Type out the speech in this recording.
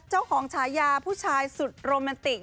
เจ้าของชายาผู้ชายสุดโรแมนติก